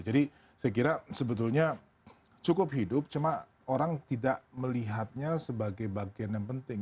jadi saya kira sebetulnya cukup hidup cuma orang tidak melihatnya sebagai bagian yang penting